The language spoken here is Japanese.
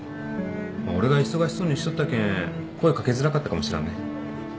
俺が忙しそうにしとったけん声掛けづらかったかもしらんね。